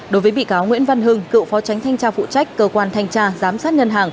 đối với bị cáo nguyễn văn hưng cựu phó tránh thanh tra phụ trách cơ quan thanh tra giám sát ngân hàng